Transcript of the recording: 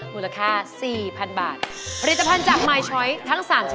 มูลค่า๔๐๐๐บาท